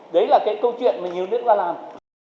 đấy là cái câu chuyện mà nhiều nước ta làm